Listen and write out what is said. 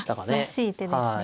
らしい手ですね。